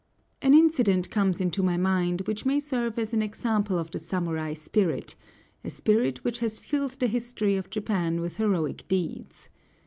An incident comes into my mind which may serve as an example of the samurai spirit, a spirit which has filled the history of Japan with heroic deeds.